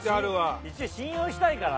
一応信用したいから。